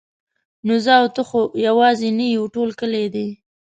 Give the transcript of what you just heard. نو زه او ته خو یوازې نه یو ټول کلی دی.